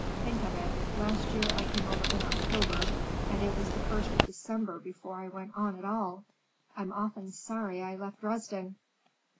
Think of it, last year I came over in October, and it was the first of December before I went on at all! I'm often sorry I left Dresden."